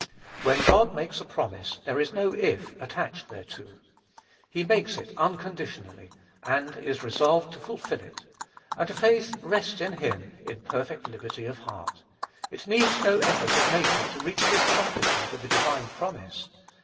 When God makes a promise there is no "if" attached thereto. He makes it unconditionally, and is resolved to fulfil it; and faith rests in him in perfect liberty of heart. It needs no effort of nature to reach the accomplishment of a divine promise.